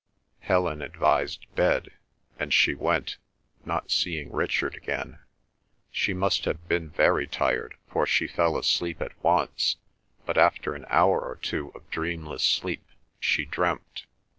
Helen advised bed, and she went, not seeing Richard again. She must have been very tired for she fell asleep at once, but after an hour or two of dreamless sleep, she dreamt.